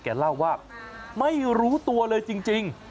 เล่าว่าไม่รู้ตัวเลยจริง